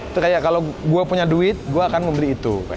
itu kayak kalau gue punya duit gue akan membeli itu